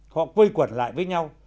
họ quây quẩn lại với nhau